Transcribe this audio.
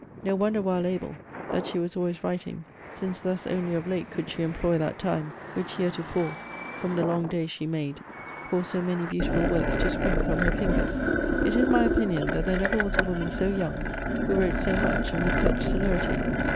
No wonder, while able, that she was always writing, since thus only of late could she employ that time, which heretofore, from the long days she made, caused so many beautiful works to spring from her fingers. It is my opinion, that there never was a woman so young, who wrote so much, and with such celerity.